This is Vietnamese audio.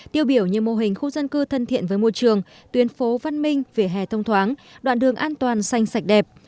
tiêu biểu như mô hình khu dân cư thân thiện với môi trường tuyến phố văn minh vỉa hè thông thoáng đoạn đường an toàn xanh sạch đẹp